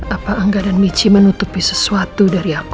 apa angga dan michi menutupi sesuatu dari apa